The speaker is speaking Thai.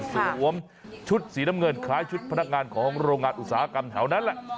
สวมชุดสีน้ำเงินคล้ายชุดพนักงานของโรงงานอุตสาหกรรมแถวนั้นแหละ